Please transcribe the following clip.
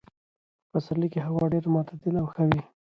په پسرلي کې هوا ډېره معتدله او ښه وي.